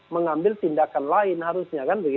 mengambil tindakan lain harusnya